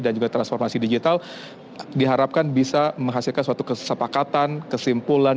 dan juga transformasi digital diharapkan bisa menghasilkan suatu kesepakatan kesimpulan